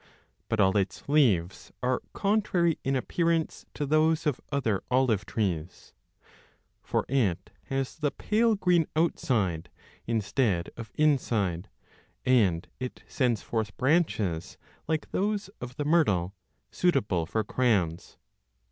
But all its leaves are con trary in appearance to those of other olive trees ; for it 3 has the pale green outside, instead of inside, and it sends 15 forth branches, like those of the myrtle, suitable for crowns.